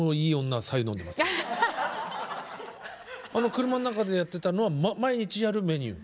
あの車の中でやってたのは毎日やるメニュー。